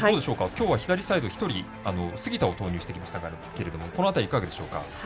今日は左サイド杉田を投入してきましたけれどもこの辺り、いかがでしょうか？